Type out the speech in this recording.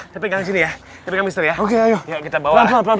hai alaik foreigners ya oke kita bawah